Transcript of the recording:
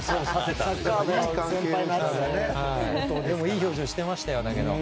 いい表情してましたよ。